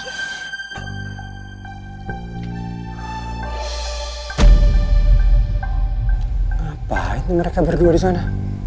ngapain mereka berdua di sana